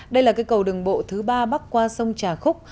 đây là cây cầu đường bộ thứ ba bắc qua sông trà khúc